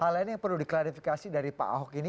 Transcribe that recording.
hal lain yang perlu diklarifikasi dari pak ahok ini